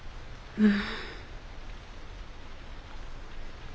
うん。